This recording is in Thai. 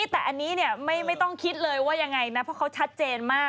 แต่อันนี้ไม่ต้องคิดเลยว่ายังไงนะเพราะเขาชัดเจนมาก